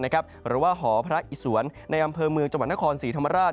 หรือว่าหอพระอิสวนในอำเภอเมืองจังหวัดนครศรีธรรมราช